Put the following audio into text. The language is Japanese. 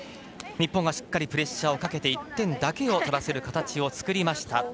日本がしっかりプレッシャーをかけて１点だけを取らせる形を作りました。